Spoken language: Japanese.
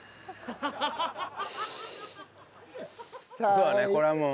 そうだねこれはもう。